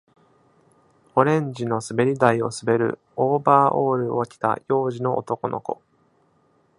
オレンジの滑り台を滑るオーバーオールを着た幼児の男の子